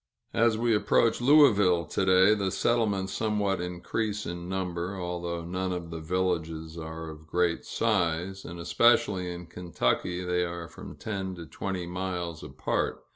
As we approach Louisville to day, the settlements somewhat increase in number, although none of the villages are of great size; and, especially in Kentucky, they are from ten to twenty miles apart.